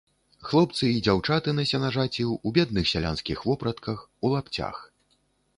Хлопцы і дзяўчаты на сенажаці ў бедных сялянскіх вопратках, у лапцях.